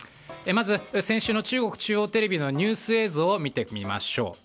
まず先週の中国中央テレビのニュース映像を見てみましょう。